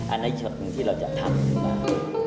อันนั้นส่วนหนึ่งที่เราจะทำขึ้นมา